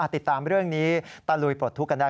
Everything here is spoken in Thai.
ติดตามเรื่องนี้ตะลุยปลดทุกข์กันได้